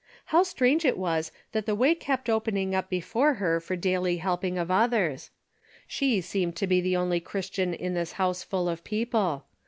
How strange it was that the way kept opening up before her for daily helping of others. She seemed to be the only Christian in this house full of people.